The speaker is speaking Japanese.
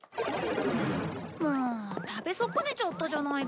もう食べ損ねちゃったじゃないか。